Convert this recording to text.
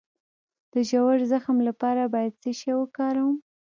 د ژور زخم لپاره باید څه شی وکاروم؟